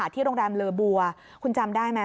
ที่โรงแรมเลอบัวคุณจำได้ไหม